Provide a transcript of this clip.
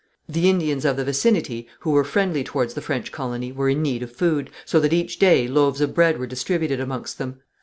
The Indians of the vicinity who were friendly towards the French colony were in need of food, so that each day loaves of bread were distributed amongst them.